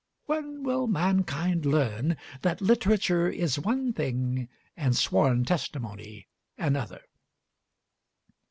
When will mankind learn that literature is one thing, and sworn testimony another?